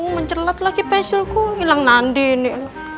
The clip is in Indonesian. mencelat lagi pensilku ilang nandi ini